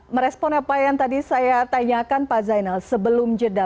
merespon apa yang tadi saya tanyakan pak zainal sebelum jeda